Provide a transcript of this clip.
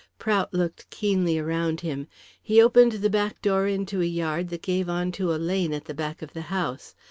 Prout looked keenly around him. He opened the back door into a yard that gave on to a lane at the back of the house.